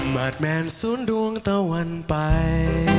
มาดแมนศูนย์ดวงตะวันไป